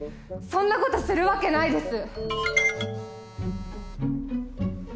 そんな事するわけないです。